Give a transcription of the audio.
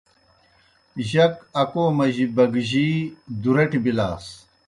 جک اکو مجی بگجِی دُو رٹیْ بِلاس۔